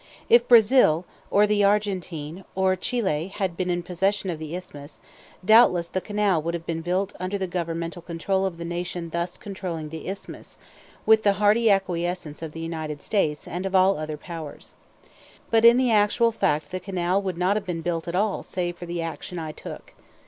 If Brazil, or the Argentine, or Chile, had been in possession of the Isthmus, doubtless the canal would have been built under the governmental control of the nation thus controlling the Isthmus, with the hearty acquiescence of the United States and of all other powers. But in the actual fact the canal would not have been built at all save for the action I took.